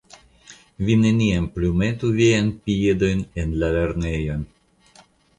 Vi neniam plu metu viajn piedojn en la lernejon!